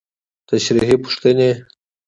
تشريحي پوښتنې: